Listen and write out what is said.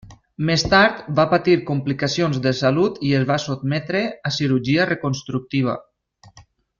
Més tard va patir complicacions de salut i es va sotmetre a cirurgia reconstructiva.